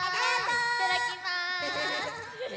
いただきます！